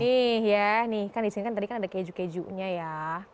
nih ya kan disini kan tadi ada keju kejunya ya